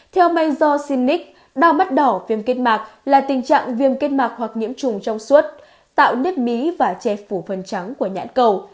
theo mayso cinic đau mắt đỏ viêm kết mạc là tình trạng viêm kết mạc hoặc nhiễm trùng trong suốt tạo nếp mí và chẹp phủ phần trắng của nhãn cầu